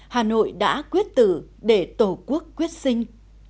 hà nội đã quyết tử để tổ quốc quyết sinh